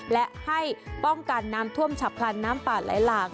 และให้ป้องกันน้ำท่วมฉับพลันน้ำป่าไหลหลาก